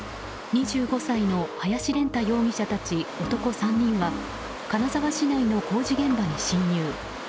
２５歳の林蓮汰容疑者たち男３人は金沢市内の工事現場に侵入。